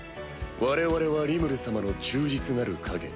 我々はリムル様の忠実なる影。